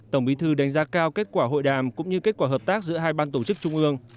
tổng bí thư đánh giá cao kết quả hội đàm cũng như kết quả hợp tác giữa hai ban tổ chức trung ương